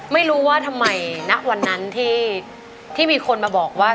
ไม่รู้ว่าทำไมณวันนั้นที่มีคนมาบอกว่า